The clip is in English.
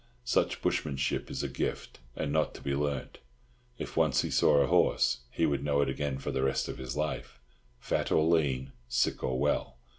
Such bushmanship is a gift, and not to be learnt. If once he saw a horse, he would know it again for the rest of his life—fat or lean, sick or well.